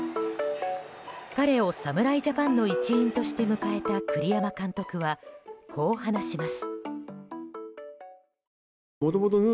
彼を侍ジャパンの一員として迎えた栗山監督はこう話します。